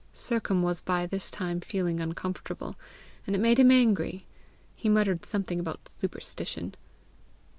Sercombe was by this time feeling uncomfortable, and it made him angry. He muttered something about superstition.